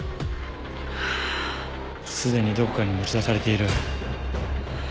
すでにどこかに持ち出されている。